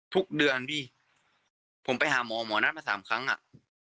ทุกเดือนพี่ผมไปหาหมอหมอนัดมาสามครั้งอ่ะ